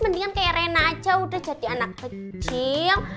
mendingan kayak rena aja udah jadi anak kecil